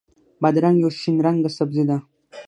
بادرنګ یو شین رنګه سبزي ده.